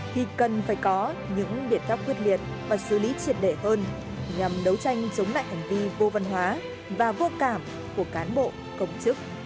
thì cần phải có những biện pháp quyết liệt và xử lý triệt để hơn nhằm đấu tranh chống lại hành vi vô văn hóa và vô cảm của cán bộ công chức